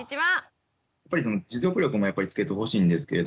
やっぱり持続力もつけてほしいんですけれども。